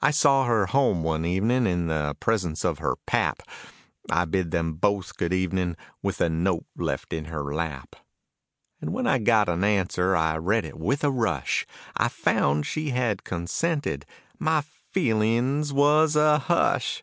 I saw her home one evening in the presence of her pap, I bid them both good evening with a note left in her lap. And when I got an answer I read it with a rush, I found she had consented, my feelings was a hush.